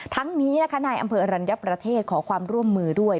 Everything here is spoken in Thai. ทั้งนี้นะคะนายอำเภออรัญญประเทศขอความร่วมมือด้วย